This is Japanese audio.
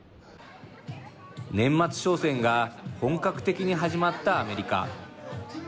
年末商戦が本格的に始まったアメリカ。